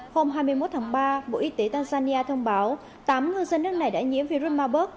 hôm hai mươi một tháng ba bộ y tế tanzania thông báo tám ngư dân nước này đã nhiễm virus maburg